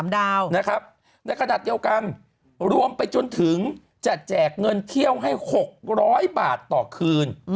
ดาวนะครับในขณะเดียวกันรวมไปจนถึงจะแจกเงินเที่ยวให้๖๐๐บาทต่อคืน